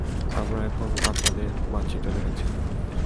আমরা এখন আপনাদের মানচিত্র দেখাচ্ছি।